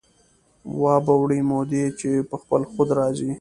وابه وړي مودې چې په خپل خود را ځي